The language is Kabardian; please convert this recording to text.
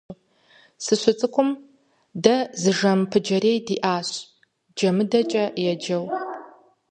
СыщыцӀыкум, дэ зы жэм пыджэрей диӀащ, ДжэмыдэкӀэ еджэу.